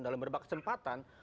dalam berbagai kesempatan